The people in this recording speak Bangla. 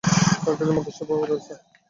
তার কাছে মাকড়সার পাওয়ার রয়েছে।